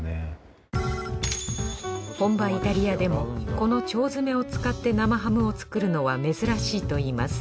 本場イタリアでもこの腸詰めを使って生ハムを作るのは珍しいといいます。